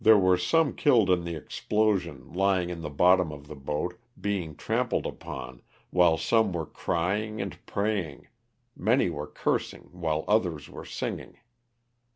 were some killed in the explosion, lying in the bottom of the boat, being trampled upon, while some were crying and praying, many were cursing while others were singing.